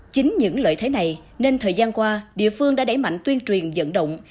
chính những lợi thế này nên thời gian qua địa phương đã đẩy mạnh tuyên truyền dẫn động